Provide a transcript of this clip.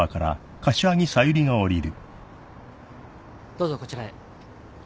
どうぞこちらへ。